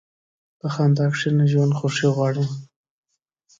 په خندا کښېنه، ژوند خوښي غواړي.